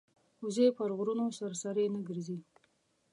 وزې پر غرونو سرسري نه ګرځي